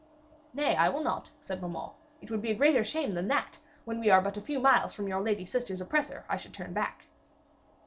'Nay, I will not,' said Beaumains. 'It would be a great shame that now, when we are but a few miles from your lady sister's oppressor, I should turn back.'